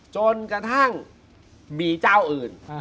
จนกระทั่งมีเจ้าอื่น